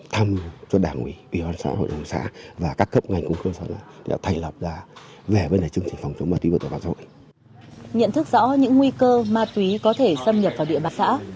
tâm nhập vào địa bạc xã